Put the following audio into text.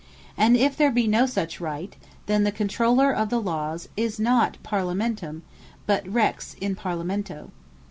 And if there be no such right, then the Controuler of Lawes is not Parlamentum, but Rex In Parlamento.